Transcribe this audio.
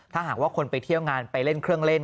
ถ้าหากว่าคนไปเที่ยวงานไปเล่นเครื่องเล่น